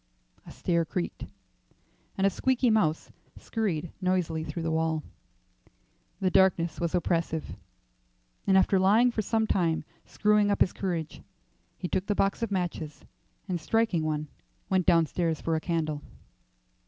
A stair creaked, and a squeaky mouse scurried noisily through the wall. The darkness was oppressive, and after lying for some time screwing up his courage, he took the box of matches, and striking one, went downstairs for a candle.